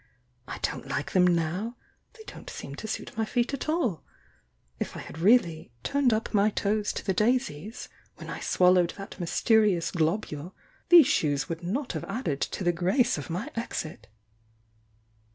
I don't like them now! They don't seem to suit my feet at all! If I had really 'turned up my toes to the daisies' when I swallowed that mysterious globule these shoes would not have added to the grace of my exit!"